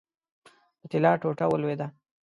د طلا ټوټه ولوېده.